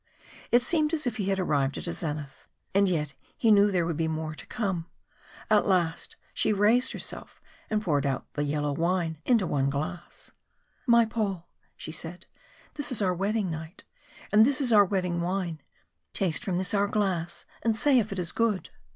It seemed as if he had arrived at a zenith, and yet he knew there would be more to come. At last she raised herself and poured out the yellow wine into one glass. "My Paul," she said, "this is our wedding might, and this is our wedding wine. Taste from this our glass and say if it is good."